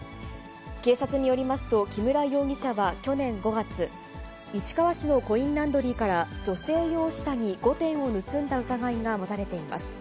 警察によりますと、木村容疑者は去年５月、市川市のコインランドリーから、女性用下着５点を盗んだ疑いが持たれています。